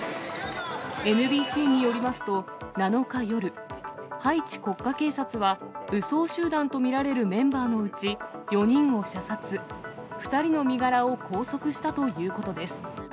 ＮＢＣによりますと、７日夜、ハイチ国家警察は武装集団と見られるメンバーのうち、４人を射殺、２人の身柄を拘束したということです。